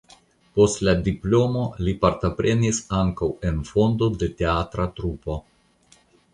Post la diplomo li partoprenis ankaŭ en fondo de teatra trupo.